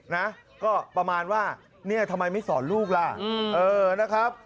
นี่ก็ประมาณว่าเนี่ยทำไมไม่สอนลูกล่า